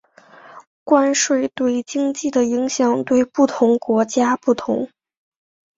关税对经济的影响对不同国家不同。